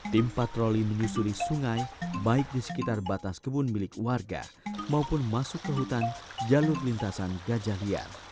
tim patroli menyusuri sungai baik di sekitar batas kebun milik warga maupun masuk ke hutan jalur lintasan gajah liar